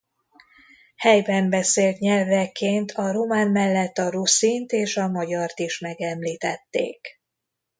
Helyben beszélt nyelvekként a román mellett a ruszint és a magyart is megemlítették.